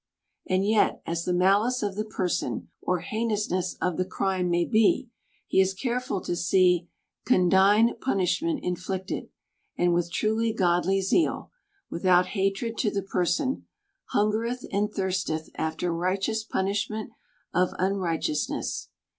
And yet as the malice of the person, or heinousness of the crime may be, he is care ful to see condign punishment inflicted, and with truly godly zeal, without hatred to the person, hungereth and thirsteth after righteous punishment of unright eousness.